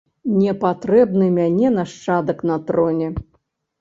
Не патрэбны мяне нашчадак на троне.